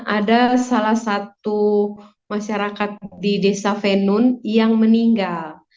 ada salah satu masyarakat di desa venun yang meninggal